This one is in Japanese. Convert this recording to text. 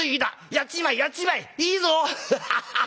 やっちまえやっちまえ！いいぞ！ハハハハッ！